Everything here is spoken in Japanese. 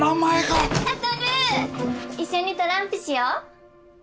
悟一緒にトランプしよう。